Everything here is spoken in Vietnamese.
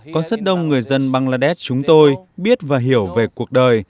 có rất đông người dân bangladesh chúng tôi biết và hiểu về cuộc đời